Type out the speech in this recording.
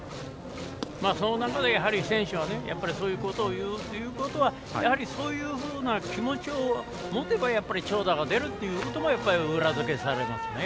そうなると選手はそういうことを言うということはやはり、そういうふうな気持ちを持てば長打が出るということも裏づけされますね。